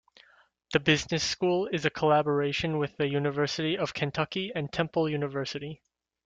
The business school is a collaboration with the University of Kentucky and Temple University.